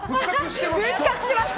復活しました。